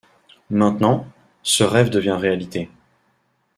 Maintenant, ce rêve devient réalité.